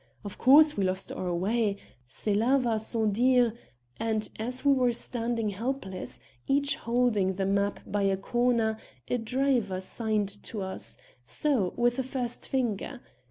Of course we lost our way, cela va sans dire, and as we were standing helpless, each holding the map by a corner, a driver signed to us so, with his first finger.